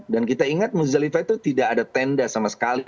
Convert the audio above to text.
dan kita ingat bustalifah itu tidak ada tenda sama sekali